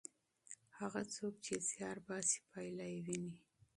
هغه څوک چې زیار باسي پایله یې ویني.